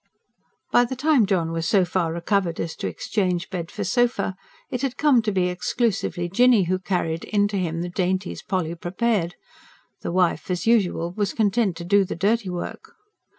By the time John was so far recovered as to exchange bed for sofa, it had come to be exclusively Jinny who carried in to him the dainties Polly prepared the wife as usual was content to do the dirty work!